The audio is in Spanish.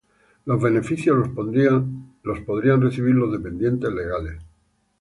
los beneficios los podrían recibir los dependientes legales